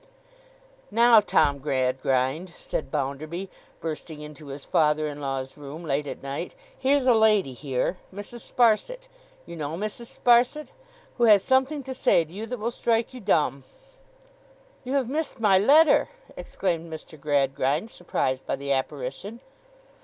'Now, Tom Gradgrind,' said Bounderby, bursting into his father in law's room late at night; 'here's a lady here—Mrs. Sparsit—you know Mrs. Sparsit—who has something to say to you that will strike you dumb.' 'You have missed my letter!' exclaimed Mr. Gradgrind, surprised by the apparition.